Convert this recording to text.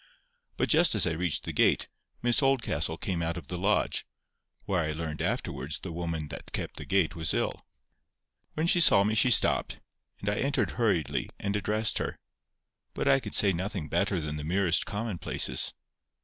But just as I reached the gate, Miss Oldcastle came out of the lodge, where I learned afterwards the woman that kept the gate was ill. When she saw me she stopped, and I entered hurriedly, and addressed her. But I could say nothing better than the merest commonplaces.